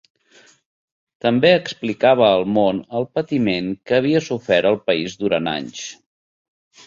També explicava al món el patiment que havia sofert el país durat anys.